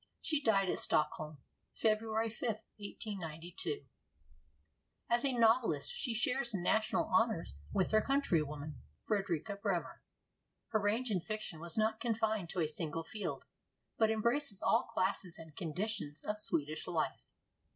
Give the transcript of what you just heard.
She died at Stockholm, February 5th, 1892. As a novelist she shares national honors with her countrywoman, Fredrika Bremer. Her range in fiction was not confined to a single field, but embraced all classes and conditions of Swedish life.